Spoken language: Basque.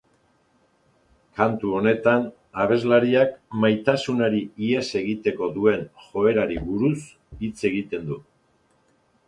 Kantu honetan, abeslariak maitasunari ihes egiteko duen joerari buruz hitz egiten du.